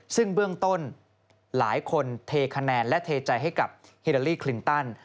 ซึ่งเบื้องต้นหลายคนเทคะแนนและเทใจให้กับฮิลาลีคลินตัน